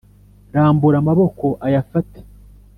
rambura amaboko ayafate